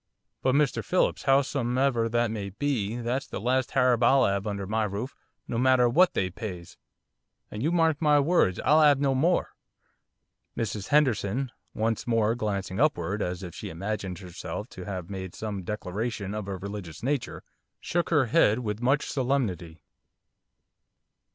But, Mr Phillips, howsomever that may be, that's the last Harab I'll 'ave under my roof, no matter what they pays, and you may mark my words I'll 'ave no more.' Mrs Henderson, once more glancing upward, as if she imagined herself to have made some declaration of a religious nature, shook her head with much solemnity.